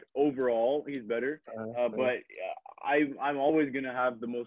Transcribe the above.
seperti secara umum dia lebih baik